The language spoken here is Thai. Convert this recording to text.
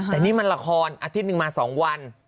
แต่นี่มันละครอาทิตย์หนึ่งมา๒วัน